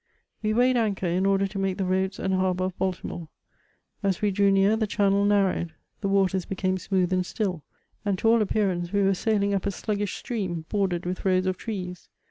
We weighed anchor in order to make the roads and harbour of Baltimore ; as we drew near, the channel narrowed ; the waters became smooth and still, and to all appearance we were sailing up a sluggish stream, bordered with rows of trees.